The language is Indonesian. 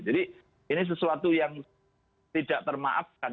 jadi ini sesuatu yang tidak termaafkan